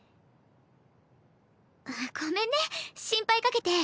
ごめんね心配かけて。